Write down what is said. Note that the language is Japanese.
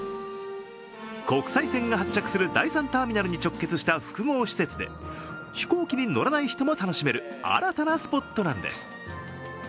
国際線が発着する第３ターミナルに直結した複合施設で、飛行機に乗らない人も楽しめる新たなスポットなんです。